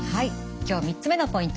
今日３つ目のポイント